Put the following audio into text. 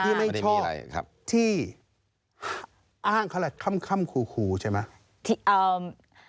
พี่ไม่ชอบที่ห้าอ้างเขาแหละค่ำคูใช่ไหม